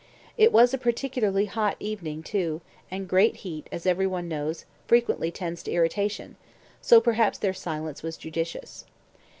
It was a particularly hot evening too, and great heat, as every one knows, frequently tends to irritation, so perhaps their silence was judicious.